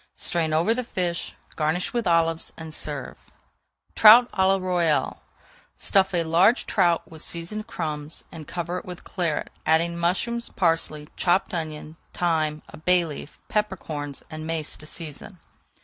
Strain over the fish, garnish with olives, and serve. TROUT À LA ROYALE Stuff a large trout with seasoned crumbs, and cover it with Claret, adding mushrooms, parsley, chopped onion, thyme, a bay leaf, pepper corns, and mace to season.